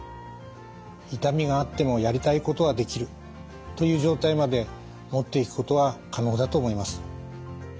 痛みがあってもやりたいことはできるという状態まで持っていくことは可能だと思います。